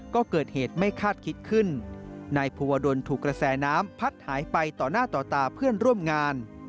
ก็เกิดเหตุไม่คาดคิดขึ้นนายภูวดลถูกกระแสน้ำพัดหายไปต่อหน้าต่อตาเพื่อนร่วมงาน